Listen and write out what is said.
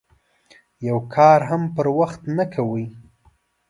یو کار هم پر وخت نه کوي.